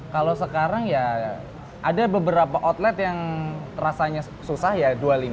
kalau sekarang ya ada beberapa outlet yang rasanya susah ya dua puluh lima